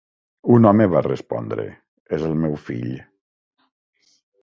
Un home va respondre: "És el meu fill".